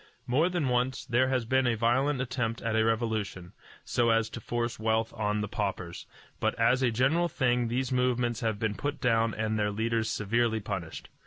More than once there has been a violent attempt at a revolution, so as to force wealth on the paupers; but as a general thing these movements have been put down and their leaders severely punished.